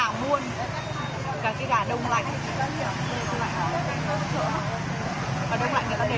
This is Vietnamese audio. mà đông lạnh người ta để bao nhiêu năm rồi